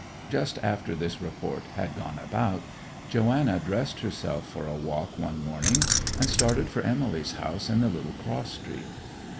Just after this report had gone about, Joanna dressed herself for a walk one morning, and started for Emily's house in the little cross street.